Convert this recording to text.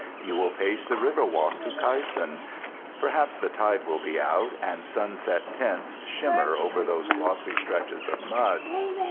You will pace the river walk to Kyson—perhaps the tide will be out and sunset tints shimmer over those glossy stretches of mud.